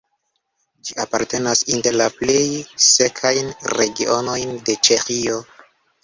Ĝi apartenas inter la plej sekajn regionojn de Ĉeĥio.